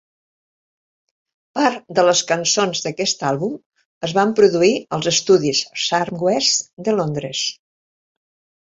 Part de les cançons d'aquest àlbum es van produir als estudis Sarm West de Londres.